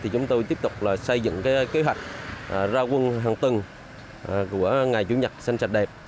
chúng tôi tiếp tục xây dựng kế hoạch ra quân hàng tuần của ngày chủ nhật xanh sạch đẹp